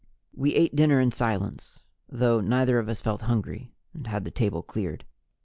We ate dinner in silence, though neither of us felt hungry, and had the table cleared.